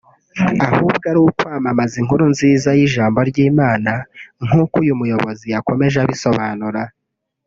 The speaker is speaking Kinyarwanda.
ahubwo ari ukwamamaza inkuru nziza y’Ijambo ry’Imana nk’uko uyu muyobozi yakomeje abisobanura